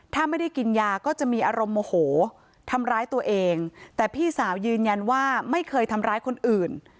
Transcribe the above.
ถ้าไม่ได้กินยาก็จะมีอารมณ์โมโหทำร้ายตัวเองแต่พี่สาวยืนยันว่าไม่เคยทำร้ายคนอื่น